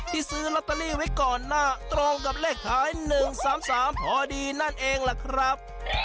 ซื้อลอตเตอรี่ไว้ก่อนหน้าตรงกับเลขท้าย๑๓๓พอดีนั่นเองล่ะครับ